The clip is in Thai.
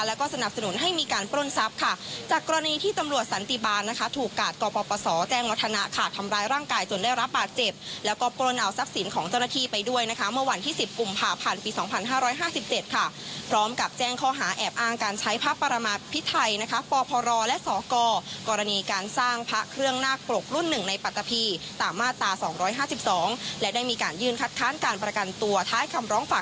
บริเวณกองมังคับการปราบปรามแห่งนี้ค่ะบริเวณกองมังคับการปราบปรามแห่งนี้ค่ะบริเวณกองมังคับการปราบปรามแห่งนี้ค่ะบริเวณกองมังคับการปราบปรามแห่งนี้ค่ะบริเวณกองมังคับการปราบปรามแห่งนี้ค่ะบริเวณกองมังคับการปราบปรามแห่งนี้ค่ะบริเวณกองมังคับการปราบปรามแห่งนี้